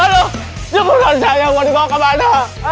aduh cukup rasa yang mau dibawa ke mana